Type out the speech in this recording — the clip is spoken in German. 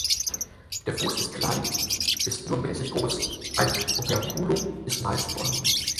Der Fuß ist klein bis nur mäßig groß; ein Operculum ist meist vorhanden.